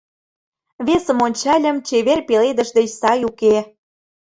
Весым ончальым Чевер пеледыш деч сай уке.